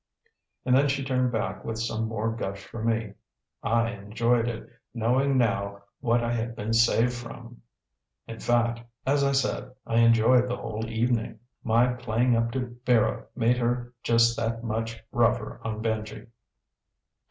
And then she turned back with some more gush for me. I enjoyed it, knowing now what I had been saved from. In fact, as I said, I enjoyed the whole evening; my playing up to Vera made her just that much rougher on Benji.